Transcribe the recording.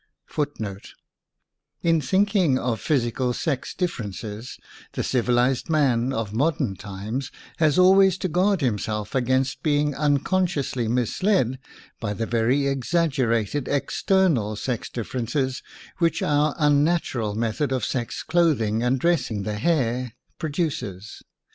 1 1 In thinking of physical sex differences, the civilized man of modern times has always to guard himself against being unconsciously misled by the very exaggerated external sex differences which our unnatural method of sex clothing and dressing the hair produces.